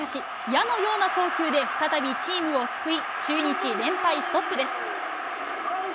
矢のような送球で再びチームを救い、中日、連敗ストップです。